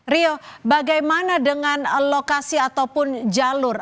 rio bagaimana dengan lokasi ataupun jalur